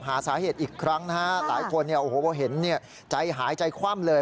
หาสาเหตุอีกครั้งนะฮะหลายคนเห็นใจหายใจคว่ำเลย